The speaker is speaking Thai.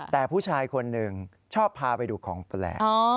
แต่ผู้ชายคนหนึ่งชอบพาไปดูของแปลก